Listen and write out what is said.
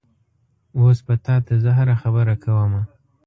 اوس به تا ته زه هره خبره کومه؟